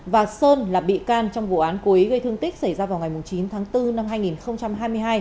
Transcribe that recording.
và sơn là bị can trong vụ án cố ý gây thương tích xảy ra vào ngày chín tháng bốn năm hai nghìn hai mươi hai